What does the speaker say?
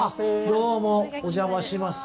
どうもお邪魔します。